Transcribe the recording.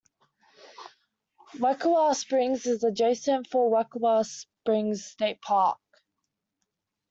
Wekiwa Springs is adjacent to Wekiwa Springs State Park.